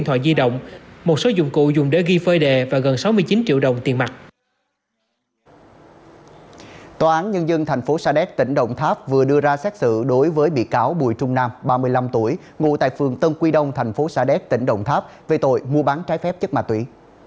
tòa án nhân dân tp sa đéc tỉnh động tháp vừa đưa ra xét xử đối với bị cáo bùi trung nam ba mươi năm tuổi ngụ tại phường tân quy đông tp sa đéc tỉnh động tháp về tội mua bán trái phép chất ma túy